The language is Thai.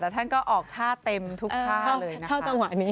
แต่ท่านก็ออกท่าเต็มทุกท่าเลยนะคะเท่าต่างหวะนี้